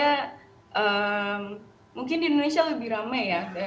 tapi seinget saya mungkin di indonesia lebih rame ya